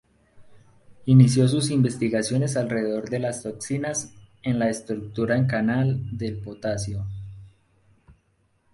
Inició sus investigaciones alrededor de las toxinas en la estructura en canal del potasio.